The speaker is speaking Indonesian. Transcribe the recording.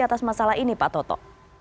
atas masalah ini pak toto